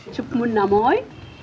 chúc mừng năm mới